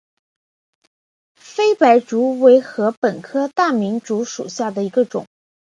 菲白竹为禾本科大明竹属下的一个种。